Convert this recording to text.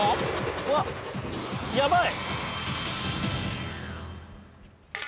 うわっやばい！